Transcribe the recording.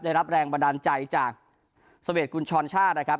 ได้รับแรงบันดาลใจจากเสวดกุญชรชาตินะครับ